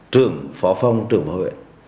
trường phó phòng trường phó huyện